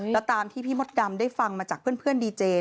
แล้วตามที่พี่มดดำได้ฟังมาจากเพื่อนดีเจ